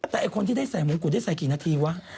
แต่ไอ้คนที่ได้ใส่มงกุฎได้ใส่กี่นาทีวะ